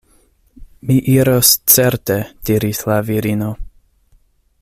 Mi iros certe, diris la virino.